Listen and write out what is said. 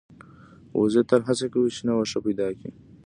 وزې تل هڅه کوي چې شنه واښه پیدا کړي